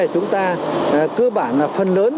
chúng ta cơ bản là phần lớn